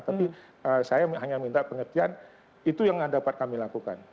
tapi saya hanya minta pengertian itu yang dapat kami lakukan